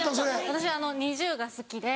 私ＮｉｚｉＵが好きで。